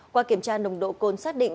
qua kiểm tra nồng độ côn xác định